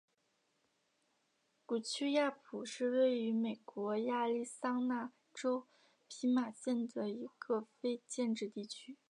古丘亚普是位于美国亚利桑那州皮马县的一个非建制地区。